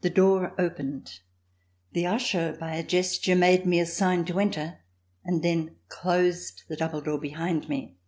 The door opened; the usher, by a gesture, made me a sign to enter and then closed the double door behind me.